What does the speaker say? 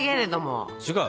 違う？